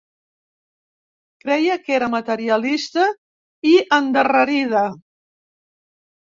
Creia que era materialista i endarrerida.